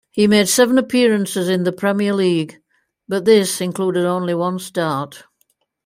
He made seven appearances in the Premier League, but this included only one start.